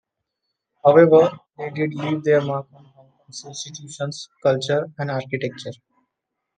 However, they did leave their mark on Hong Kong's institutions, culture and architecture.